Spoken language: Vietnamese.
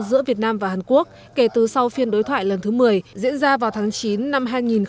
giữa việt nam và hàn quốc kể từ sau phiên đối thoại lần thứ một mươi diễn ra vào tháng chín năm hai nghìn một mươi tám